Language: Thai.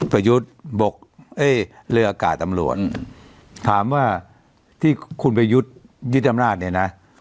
ประยุทธ์บกเอ้ยเรืออากาศตำรวจอืมถามว่าที่คุณไปยุดยิดอำนาจเนี้ยนะ